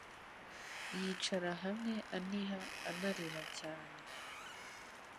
Yicara hamwe aniha ana rira cyane